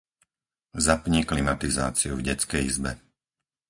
Zapni klimatizáciu v detskej izbe.